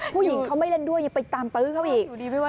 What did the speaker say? ผู้หญิงเขาไม่เล่นด้วยยังไปตามปื้อเขาอีก